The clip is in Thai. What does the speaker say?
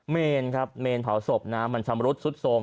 เมนเมนเผาศพมันชำรุดซุดโทรม